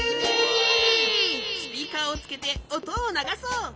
スピーカーをつけておとをながそう！